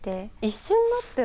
一瞬。